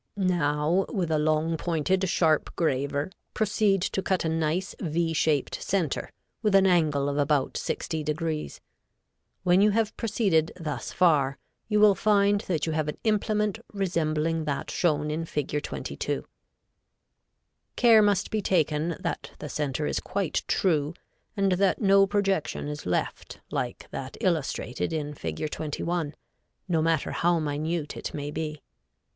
Now with a long pointed sharp graver proceed to cut a nice V shaped center with an angle of about 60°. When you have proceeded thus far you will find that you have an implement resembling that shown in Fig. 22. [Illustration: Fig. 22.] Care must be taken that the center is quite true, and that no projection is left like that illustrated in Fig. 21, no matter how minute it may be.